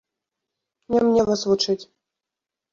Не мне вас вучыць.